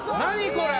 これ。